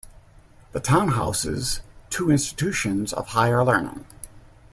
The town houses two institutions of higher learning.